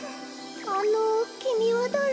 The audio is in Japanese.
あのきみはだれ？